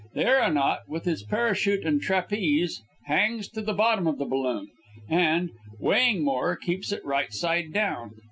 The aeronaut, with his parachute and trapeze, hangs to the bottom of the balloon, and, weighing more, keeps it right side down.